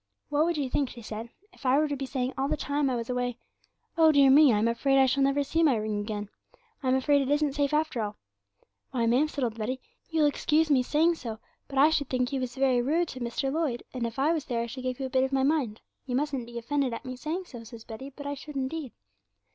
"What would you think," she said, "if I were to be saying all the time I was away Oh, dear me, I'm afraid I shall never see my ring again; I'm afraid it isn't safe after all?" '"Why, ma'am," said old Betty, "you'll excuse me saying so, but I should think you was very rude to Mr. Lloyd, and if I was there I should give you a bit of my mind; you mustn't be offended at me saying so," says Betty, "but I should indeed."